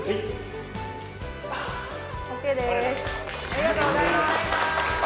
ありがとうございます。